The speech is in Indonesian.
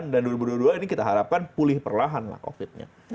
dan dua ribu dua puluh dua ini kita harapkan pulih perlahan lah covid nya